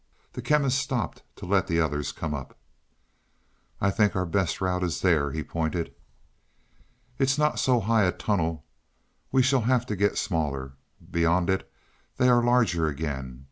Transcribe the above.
The Chemist stopped to let the others come up. "I think our best route is there," he pointed. "It is not so high a tunnel; we shall have to get smaller. Beyond it they are larger again.